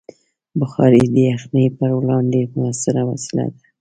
بخاري د یخنۍ پر وړاندې مؤثره وسیله ده.